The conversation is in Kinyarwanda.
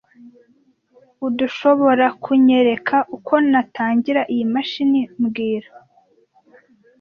Urdushoborakunyereka uko natangira iyi mashini mbwira